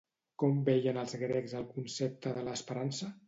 Com veien els grecs el concepte de l'esperança?